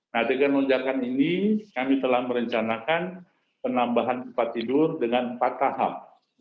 nah dengan lonjakan ini kami telah merencanakan penambahan tempat tidur dengan empat tahap